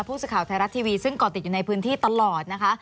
ผู้สื่อข่าวไทยรัฐทีวีซึ่งก่อติดอยู่ในพื้นที่ตลอดนะคะ